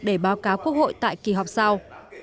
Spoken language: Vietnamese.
để báo cáo quốc hội tại kỳ họp sau